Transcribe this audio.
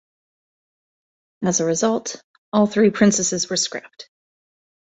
As a result, all three Princesses were scrapped.